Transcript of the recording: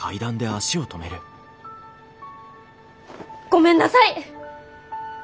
ごめんなさい！